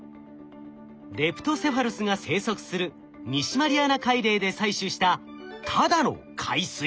レプトセファルスが生息する西マリアナ海嶺で採取したただの海水。